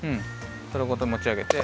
それごともちあげて。